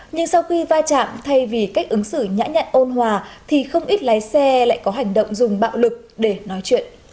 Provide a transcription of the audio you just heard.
nhưng sau khi va chạm thay vì cách ứng xử nhã nhận ôn hòa thì không ít lái xe lại có hành động dùng bạo lực để nói chuyện